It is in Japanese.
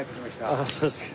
ああそうですか。